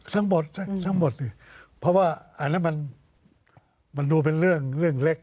ทั้งหมดเพราะว่าอันนั้นมันมันดูเป็นเรื่องเล็ก